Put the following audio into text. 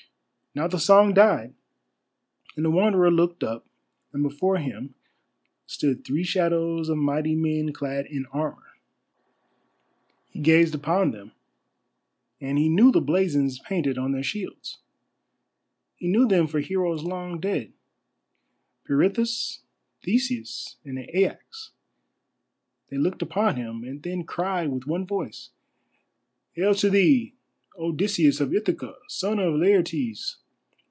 Now the song died, and the Wanderer looked up, and before him stood three shadows of mighty men clad in armour. He gazed upon them, and he knew the blazons painted on their shields; he knew them for heroes long dead—Pirithous, Theseus, and Aias. They looked upon him, and then cried with one voice: "Hail to thee, Odysseus of Ithaca, son of Laertes!"